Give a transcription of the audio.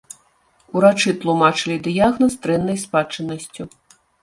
Урачы тлумачылі дыягназ дрэннай спадчыннасцю.